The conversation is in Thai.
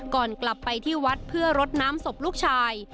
ก่อนกลับไปที่วัดเพื่อรดน้ำศพลูกชาย